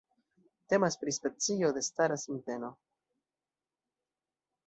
Temas pri specio de stara sinteno.